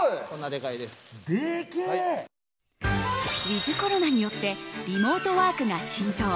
ウィズコロナによってリモートワークが浸透。